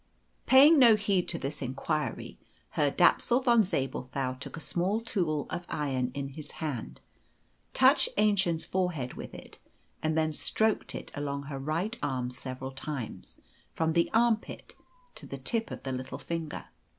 Paying no heed to this enquiry, Herr Dapsul von Zabelthau took a small tool of iron in his hand, touched Aennchen's forehead with it, and then stroked it along her right arm several times, from the armpit to the tip of the little finger.